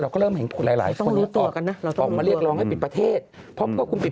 เราก็เริ่มเห็นหลายคนออกมาเรียกรองให้ปิดประเทศคุณปิด